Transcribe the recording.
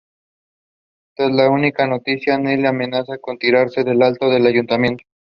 Tras la última noticia, Neil amenaza con tirarse de lo alto del ayuntamiento.